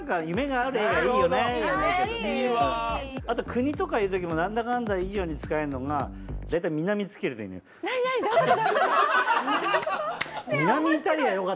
あと国とか言うときもなんだかんだ以上に使えんのがだいたい「南」つけるといいのよ。